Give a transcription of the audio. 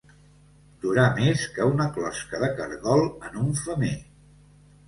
Durar més que una closca de caragol en un femer.